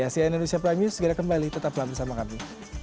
sian indonesia prime news segera kembali tetaplah bersama kami